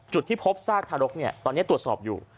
จุดที่พบซากทารกตอนนี้ตรวจสอบอยู่